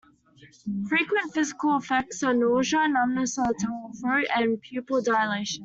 Frequent physical effects are nausea, numbness of the tongue or throat, and pupil dilation.